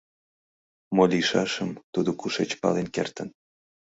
Мо лийшашым тудо кушеч пален кертын?